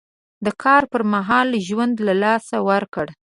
د کار پر مهال ژوند له لاسه ورکړ.